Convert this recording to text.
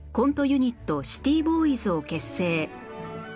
ユニットシティボーイズを結成